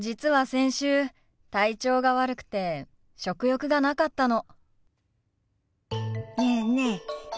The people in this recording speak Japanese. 先週体調が悪くて食欲がなかったの。